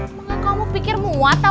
emangnya kamu pikir muat apa